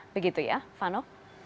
begitu ya fano